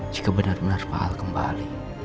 jika benar benar pak al kembali